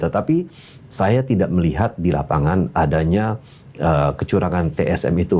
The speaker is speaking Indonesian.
tetapi saya tidak melihat di lapangan adanya kecurangan tsm itu